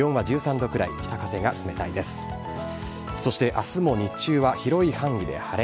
そしてあすも日中は広い範囲で晴れ。